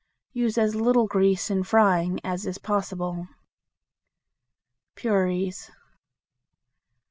Use as little grease in frying as is possible. Puris.